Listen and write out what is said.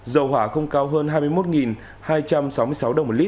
dầu hỏa không cao hơn hai mươi một đồng một lít